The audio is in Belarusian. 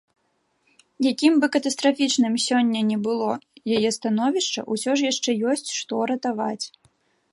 Якім бы катастрафічным сёння не было яе становішча, усё ж яшчэ ёсць што ратаваць.